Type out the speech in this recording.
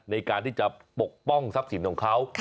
ในการที่จะปกป้องทรัพย์สินของเขา